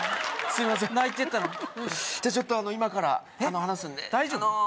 すいません泣いてたのにじゃちょっと今から話すんで大丈夫？